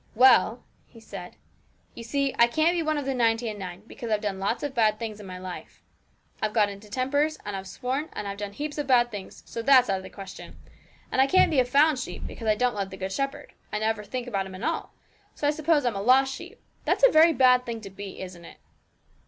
'Well,' he said, 'you see I can't be one of the ninety and nine, because I've done lots of bad things in my life. I've got into tempers, and I've sworn, and I've done heaps of bad things: so that's out of the question. And I can't be a found sheep, because I don't love the Good Shepherd I never think about Him at all; so I suppose I'm a lost sheep. That's a very bad thing to be, isn't it?'